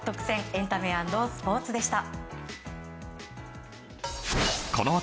エンタメ＆スポーツでした。